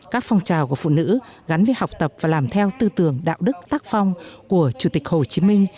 các phong trào của phụ nữ gắn với học tập và làm theo tư tưởng đạo đức tác phong của chủ tịch hồ chí minh